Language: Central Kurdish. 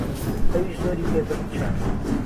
ئهویش زۆری پێ برد چار